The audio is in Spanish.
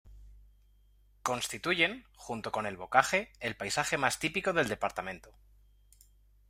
Constituyen, junto con el "bocage", el paisaje más típico del departamento.